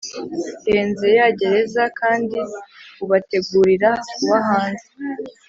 hanze ya gereza kandi bubategurira kuba hanze